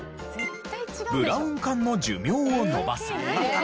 ブラウン管の寿命を伸ばす。